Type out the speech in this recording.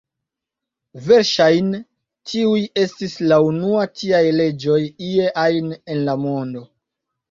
Verŝajne, tiuj estis la unua tiaj leĝoj ie ajn en la mondo.